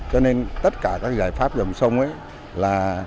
cho nên tất cả các giải pháp dòng sông ấy là